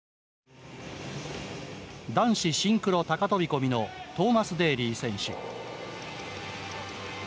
男子シンクロ高飛び込みのトーマス・デーリー選手。